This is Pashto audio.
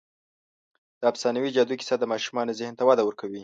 د افسانوي جادو کیسه د ماشومانو ذهن ته وده ورکوي.